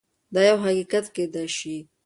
دا يو حقيقت کيدای شي.